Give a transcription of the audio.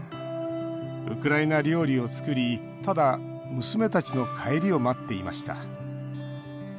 ウクライナ料理を作りただ娘たちの帰りを待っていました